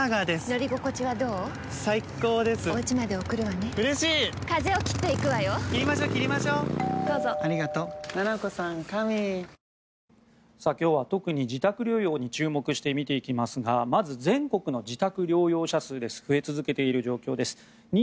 この事態に小池知事は。今日は特に自宅療養に注目して見ていきますがまず全国の自宅療養者数です増え続けている状況です。